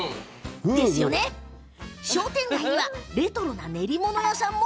商店街にはレトロな練り物屋さんも。